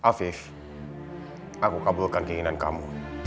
afif aku kabulkan keinginan kamu